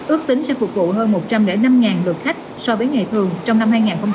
ước tính sẽ phục vụ hơn một trăm linh năm lượt khách so với ngày thường trong năm hai nghìn hai mươi ba